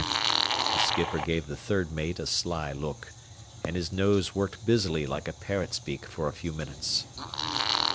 The skipper gave the third mate a sly look, and his nose worked busily like a parrot's beak for a few minutes.